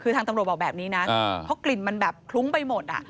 คือทางตำรวจบอกแบบนี้นะเพราะกลิ่นมันแบบคลุ้งไปหมดอ่ะ